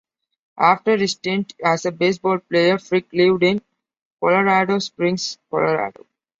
After his stint as a baseball player, Frick lived in Colorado Springs, Colorado.